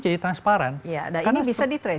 jadi transparan ini bisa di trace